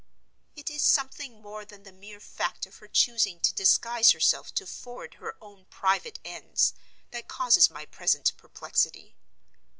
It is something more than the mere fact of her choosing to disguise herself to forward her own private ends that causes my present perplexity.